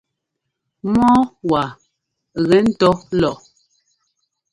Mɔ́ɔ waa gɛ́ ńtɔ́ lɔʼɔ.